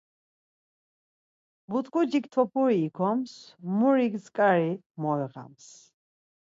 But̆ǩucik topuri ikoms, murik tzǩari moiğams.